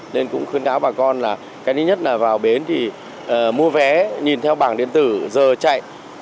nên cũng khuyến cáo bà con là cái thứ nhất là vào bến thì mua vé nhìn theo bảng điện tử giờ chạy